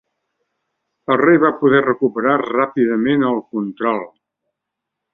El rei va poder recuperar ràpidament el control.